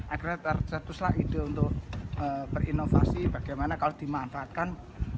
akhirnya tercetuslah ide untuk berinovasi bagaimana kalau dimanfaatkan